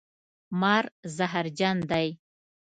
مار زهرجن دی